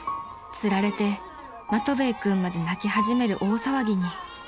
［釣られてマトヴェイ君まで泣き始める大騒ぎに］